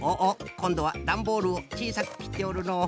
こんどはだんボールをちいさくきっておるのう。